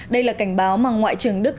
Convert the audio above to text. đây là cảnh báo mà ngoại trưởng đức